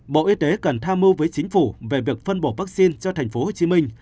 bộ y tế cần tham mưu với chính phủ về việc phân bổ vaccine cho tp hcm